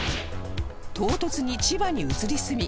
唐突に千葉に移り住み